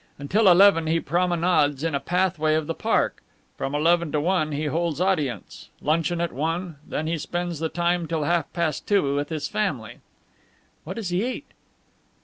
Until eleven he promenades in a pathway of the park. From eleven to one he holds audience; luncheon at one; then he spends the time until half past two with his family." "What does he eat?"